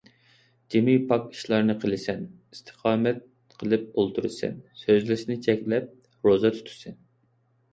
جىمى پاك ئىشلارنى قىلىسەن، ئىستىقامەت قىلىپ ئولتۇرىسەن، سۆزلەشنى چەكلەپ، روزا تۇتىسەن.